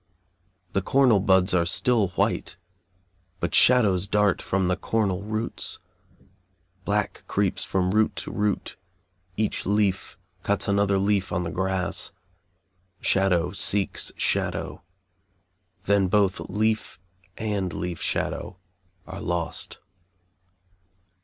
The cornel buds are still white, but shadows dart from the cornel roots black creeps from root to root, each leaf cuts another leaf on the grass, shadow seeks shadow, then both leaf and leaf shadow are lost.